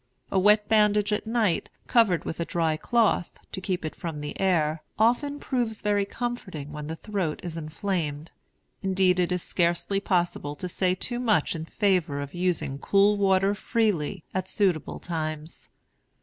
A wet bandage at night, covered with a dry cloth, to keep it from the air, often proves very comforting when the throat is inflamed. Indeed, it is scarcely possible to say too much in favor of using cool water freely, at suitable times.